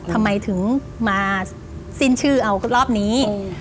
ทำไมถึงมาสิ้นชื่อเอารอบนี้